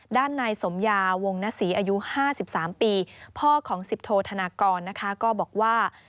ด้านในสมยาวงหน้าศรีอายุ๕๓ปีพ่อของสิบโทธนากรก็บอกว่า